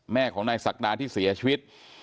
แม่ของนายศักดาที่เสียชีวิต